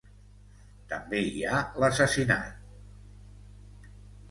També hi ha l'assassinat...